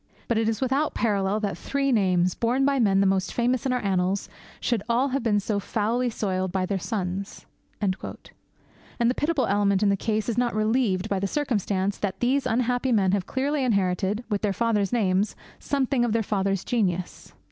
But it is without parallel that three names, borne by men the most famous in our annals, should all have been so foully soiled by their sons.' And the pitiable element in the case is not relieved by the circumstance that these unhappy men have clearly inherited, with their fathers' names, something of their fathers' genius.